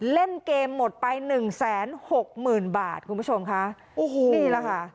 เล่นเกมหมดไปหนึ่งแสนหกหมื่นบาทคุณผู้ชมค่ะโอ้โหนี่แหละค่ะ